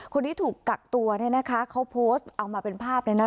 คนที่ถูกกักตัวเนี่ยนะคะเขาโพสต์เอามาเป็นภาพเลยนะ